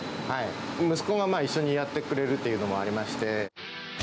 息子が一緒にやってくれるというのもありまして。